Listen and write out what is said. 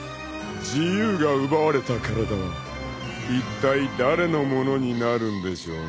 ［自由が奪われた体はいったい誰のものになるんでしょうね？］